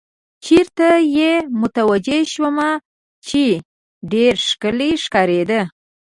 چېرې ته یې متوجه شوم، چې ډېره ښکلې ښکارېده.